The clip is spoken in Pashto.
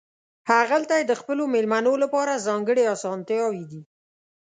هغلته یې د خپلو مېلمنو لپاره ځانګړې اسانتیاوې دي.